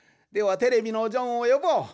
ではテレビのジョンをよぼう。